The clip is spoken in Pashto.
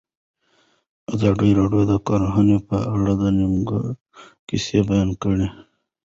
ازادي راډیو د کرهنه په اړه د نېکمرغۍ کیسې بیان کړې.